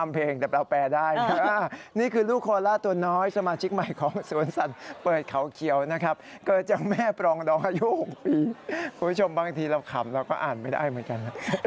เพลงร้องว่าอะไรรู้ไหมคุณ